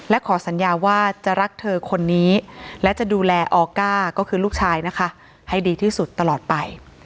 และขอสัญญาว่าจะรักเธอคนนี้และจะดูแลออก้าก็คือลูกชายนะคะให้ดีที่สุดตลอดไป